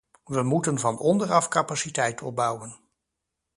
We moeten van onderaf capaciteit opbouwen.